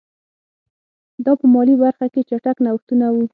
دا په مالي برخه کې چټک نوښتونه وو